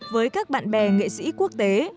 với các bạn bè nghệ sĩ quốc tế